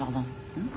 うん？